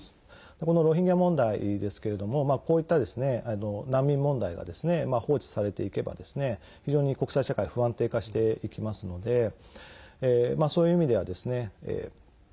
このロヒンギャ問題ですけれどもこういった難民問題が放置されていけば非常に国際社会不安定化していきますのでそういう意味ではですね